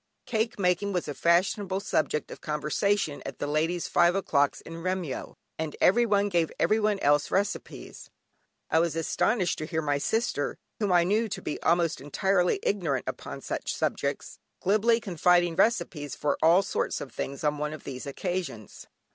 Cake making was a fashionable subject of conversation at the ladies' "five o'clocks" in Remyo, and everyone gave everyone else recipes. I was astonished to hear my sister (whom I knew to be almost entirely ignorant upon such subjects) glibly confiding recipes for all sorts of things, on one of these occasions.